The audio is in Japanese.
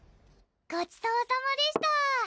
ごちそうさまでした！